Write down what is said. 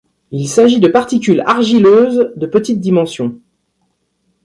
Il s’agit de particules argileuses de petite dimension.